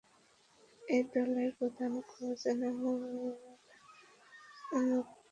এই দলের প্রধান কোচ এমানুয়েল আমুনেকে।